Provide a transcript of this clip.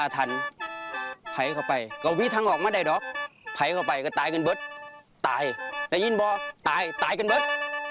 ตายได้ยินเหรอตายตายกันเบิศ